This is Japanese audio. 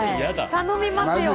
頼みますよ。